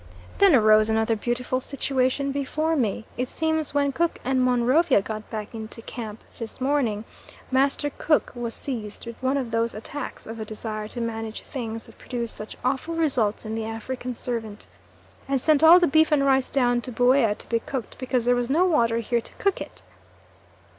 Then arose another beautiful situation before me. It seems when Cook and Monrovia got back into camp this morning Master Cook was seized with one of those attacks of a desire to manage things that produce such awful results in the African servant, and sent all the beef and rice down to Buea to be cooked, because there was no water here to cook it.